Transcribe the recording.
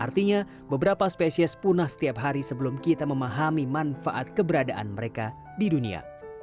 artinya beberapa spesies punah setiap hari sebelum kita memahami manfaat keberadaan mereka di dunia